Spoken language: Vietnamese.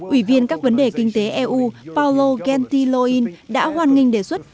ủy viên các vấn đề kinh tế eu paolo gentiloni đã hoàn nghênh đề xuất